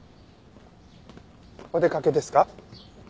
お出かけですか？